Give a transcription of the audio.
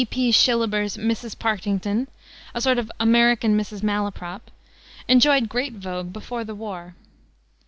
B. P. Shillaber's "Mrs. Partington" a sort of American Mrs. Malaprop enjoyed great vogue before the war.